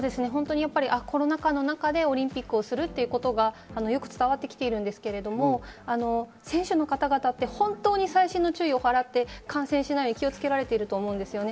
コロナ禍の中でオリンピックをするということがよく伝わってきているんですが、選手の方々って細心の注意を払って感染しないように気をつけられてると思うんですね。